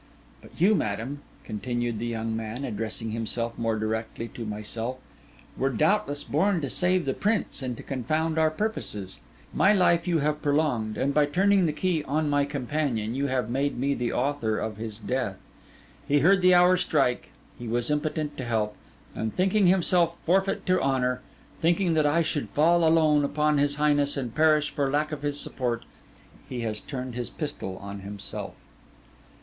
'But you, madam,' continued the young man, addressing himself more directly to myself, 'were doubtless born to save the prince and to confound our purposes. My life you have prolonged; and by turning the key on my companion, you have made me the author of his death. He heard the hour strike; he was impotent to help; and thinking himself forfeit to honour, thinking that I should fall alone upon his highness and perish for lack of his support, he has turned his pistol on himself.